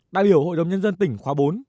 đại biểu hội đồng nhân dân tỉnh khóa bốn